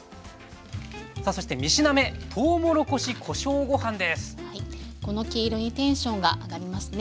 さあそして３品目この黄色にテンションが上がりますね。